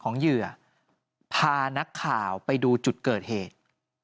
เหยื่อพานักข่าวไปดูจุดเกิดเหตุ